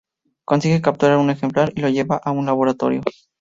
Consigue capturar un ejemplar y lo lleva a un laboratorio.